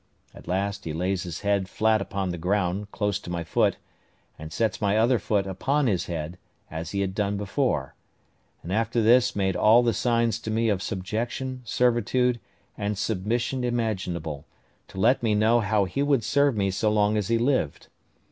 At last he lays his head flat upon the ground, close to my foot, and sets my other foot upon his head, as he had done before; and after this made all the signs to me of subjection, servitude, and submission imaginable, to let me know how he would serve me so long as he lived.